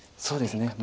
そうですね。